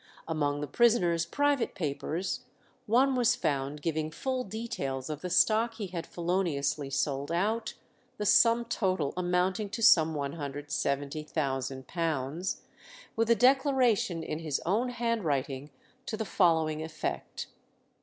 Among the prisoner's private papers, one was found giving full details of the stock he had feloniously sold out, the sum total amounting to some £170,000, with a declaration in his own handwriting to the following effect.